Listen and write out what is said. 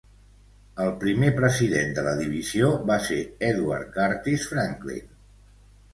El primer president de la divisió va ser Edward Curtis Franklin.